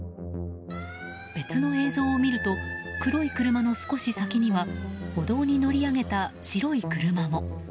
別の映像を見ると黒い車の少し先には歩道に乗り上げた白い車も。